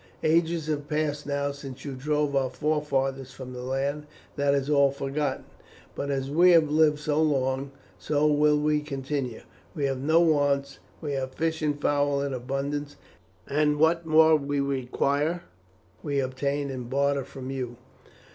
Ages have passed now since you drove our forefathers from the land; that is all forgotten. But as we have lived so long, so will we continue. We have no wants; we have fish and fowl in abundance, and what more we require we obtain in barter from you."